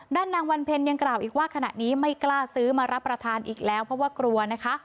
นางวันเพ็ญยังกล่าวอีกว่าขณะนี้ไม่กล้าซื้อมารับประทานอีกแล้วเพราะว่ากลัวนะคะ